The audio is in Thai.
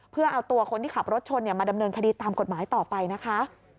เพื่อเอาตัวคนที่ขับรถชนมาดำเนินคดีตามกฎหมายต่อไปนะคะ